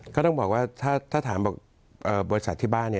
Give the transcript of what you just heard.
ก็ต้องบอกว่าถ้าถามบอกบริษัทที่บ้าน